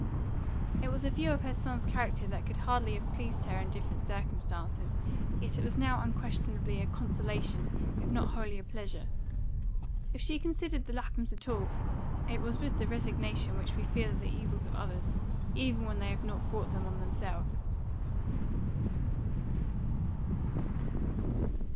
It was a view of her son's character that could hardly have pleased her in different circumstances, yet it was now unquestionably a consolation if not wholly a pleasure. If she considered the Laphams at all, it was with the resignation which we feel at the evils of others, even when they have not brought them on themselves.